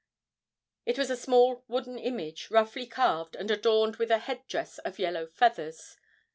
It was a small wooden image, roughly carved, and adorned with a head dress of yellow feathers.